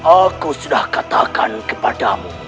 aku sudah katakan kepadamu